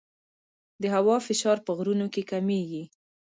د هوا فشار په غرونو کې کمېږي.